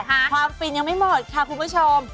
แต่ความฝนยังไม่หมดค่ะคุณผู้ชม